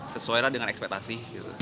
sesuai lah dengan ekspetasi